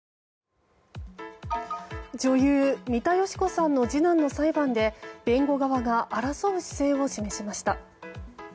女優・三田佳子さんの次男の裁判で弁護側が争う姿勢を示しました。